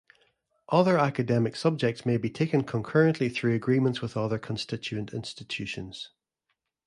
Other academic subjects may be taken concurrently through agreements with other constituent institutions.